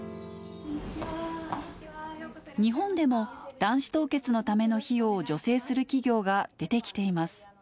日本でも、卵子凍結のための費用を助成する企業が出てきています。